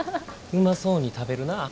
うまそうに食べるなぁ。